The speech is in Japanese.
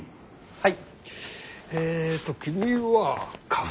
はい。